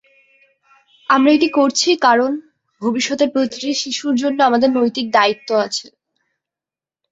আমরা এটি করছি কারণ, ভবিষ্যতের প্রতিটি শিশুর জন্য আমাদের নৈতিক দায়িত্ব আছে।